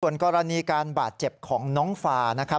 ส่วนกรณีการบาดเจ็บของน้องฟานะครับ